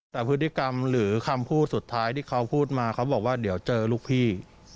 แต่พฤติกรรมหรือคำพูดสุดท้ายที่เขาพูดมาเขาบอกว่าเดี๋ยวเจอลูกพี่